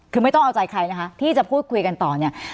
คือไม่ต้องเอาใจใครนะคะที่จะพูดคุยกันต่อเนี่ย